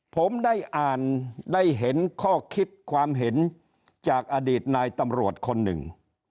ผมได้อ่านได้เห็นข้อคิดความเห็นจากอดีตนายตำรวจคนหนึ่ง